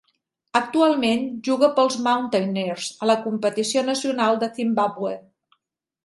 Actualment juga per als Mountaineers a la competició nacional de Zimbabwe.